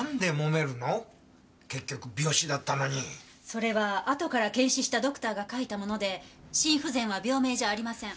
それは後から検視したドクターが書いたもので心不全は病名じゃありません。